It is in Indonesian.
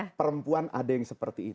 karena perempuan ada yang seperti itu